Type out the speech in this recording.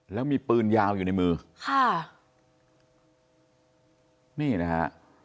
แล้วมีปืนยาวอยู่ในมือค่ะนี่นะฮะ